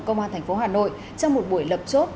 công an thành phố hà nội trong một buổi lập chốt